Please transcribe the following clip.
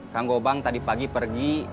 kang gobang tadi pagi pergi